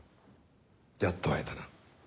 やっと会えたな。